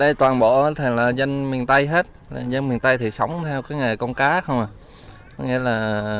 đây toàn bộ là dân miền tây hết dân miền tây sống theo con cá thôi mà